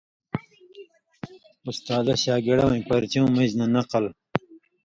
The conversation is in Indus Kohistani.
اُستازہ شاگڑہ وَیں پرچیُوں مژ نہ نقل